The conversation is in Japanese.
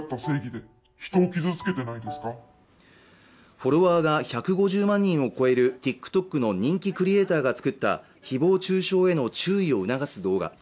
フォロワーが１５０万人を超えるＴｉｋＴｏｋの人気クリエイターが作った誹謗中傷への注意を促す動画